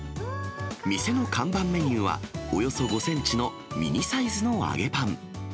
店の看板メニューは、およそ５センチのミニサイズの揚げパン。